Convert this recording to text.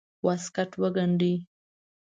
واسکټ وګنډي.